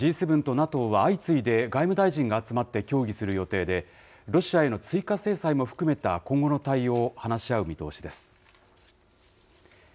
Ｇ７とＮＡＴＯは相次いで外務大臣が集まって協議する予定で、ロシアへの追加制裁も含めた今後の対応を話し合う見通しです。